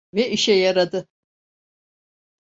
Ve işe yaradı.